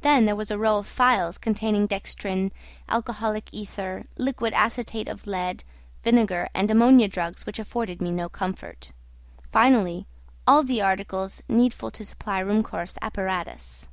Then there was a row of phials containing dextrine, alcoholic ether, liquid acetate of lead, vinegar, and ammonia drugs which afforded me no comfort. Finally, all the articles needful to supply Ruhmkorff's apparatus.